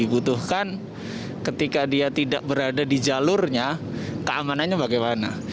dibutuhkan ketika dia tidak berada di jalurnya keamanannya bagaimana